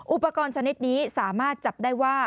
อุปกรณ์ชนิดนี้สามารถจับได้ว่า